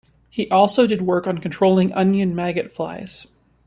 He also did work on controlling Onion maggot flies.